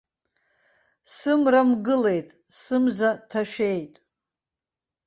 Сымра мгылеит, сымза ҭашәеит.